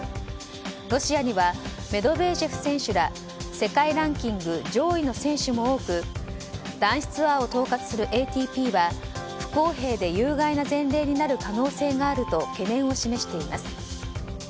ロシアにはメドベージェフ選手ら世界ランキング上位の選手も多く男子ツアーを統括するＡＴＰは不公平で有害な前例になる可能性があると懸念を示しています。